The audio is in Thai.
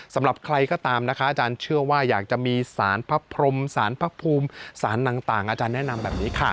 สำหรับใครก็ตามนะคะอาจารย์เชื่อว่าอยากจะมีสารพระพรมสารพระภูมิสารต่างอาจารย์แนะนำแบบนี้ค่ะ